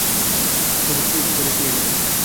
ঘরের শ্রী ফিরিয়া গেল।